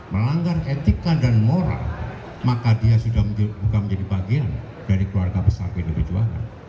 melanggar etika dan moral maka dia sudah bukan menjadi bagian dari keluarga besar pd perjuangan